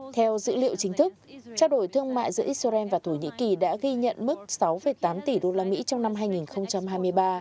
theo dữ liệu chính thức trao đổi thương mại giữa israel và thổ nhĩ kỳ đã ghi nhận mức sáu tám tỷ usd trong năm hai nghìn hai mươi ba